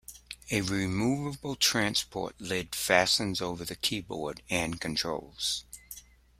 A removable transport lid fastens over the keyboard and controls.